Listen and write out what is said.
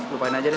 lupain aja deh